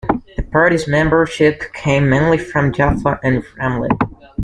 The party's membership came mainly from Jaffa and Ramleh.